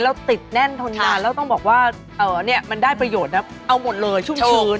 แล้วติดแน่นทนนานแล้วต้องบอกว่ามันได้ประโยชน์นะเอาหมดเลยช่วงชื้น